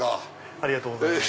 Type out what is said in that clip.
ありがとうございます。